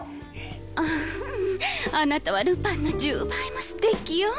アンあなたはルパンの１０倍も素敵よ。